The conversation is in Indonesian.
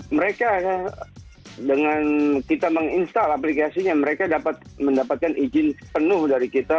mereka dengan kita menginstal aplikasinya mereka dapat mendapatkan izin penuh dari kita